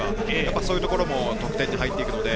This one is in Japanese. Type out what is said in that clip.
そういうところも得点に入っていくので。